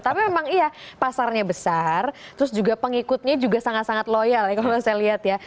tapi memang iya pasarnya besar terus juga pengikutnya juga sangat sangat loyal ya kalau saya lihat ya